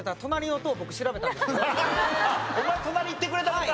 お前隣行ってくれたのか？